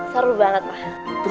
seru banget pa